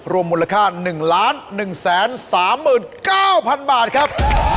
รวมมูลค่า๑๑๓๙๐๐บาทครับ